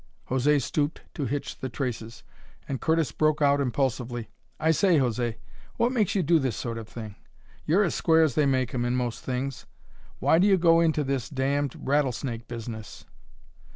José stooped to hitch the traces, and Curtis broke out impulsively: "I say, José, what makes you do this sort of thing? You're as square as they make 'em in most things; why do you go into this damned rattlesnake business?"